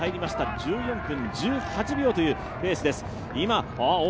１４分１８秒というペースです。